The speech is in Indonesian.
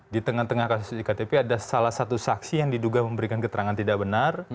di tengah tengah kasus iktp ada salah satu saksi yang diduga memberikan keterangan tidak benar